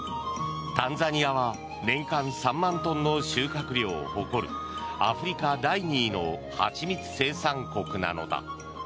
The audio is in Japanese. タンザニアは年間３万トンの収穫量を誇るアフリカ第２の蜂蜜生産国なのだ。